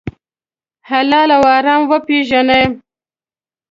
حلال او حرام وپېژنئ.